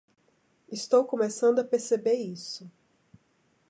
Estou começando a perceber isso.